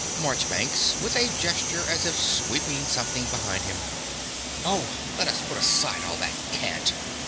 MARCHBANKS (with a gesture as if sweeping something behind him). Oh, let us put aside all that cant.